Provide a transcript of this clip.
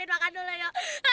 asik makan ya